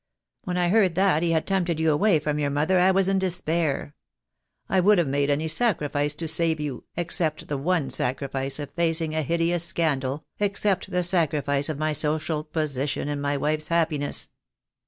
When I heard that he had tempted you away from your mother I was in despair. I would have made any sacrifice to save you, except the one sacrifice of facing a hideous scandal, except the sacrifice of my social position and my wife's happiness.